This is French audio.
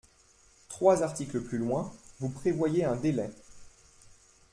Trois articles plus loin, vous prévoyez un délai.